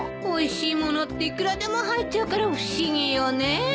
おいしいものっていくらでも入っちゃうから不思議よね。